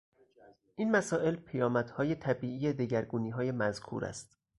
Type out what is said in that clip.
این مسائل پیامدهای طبیعی دگرگونیهای مذکور است.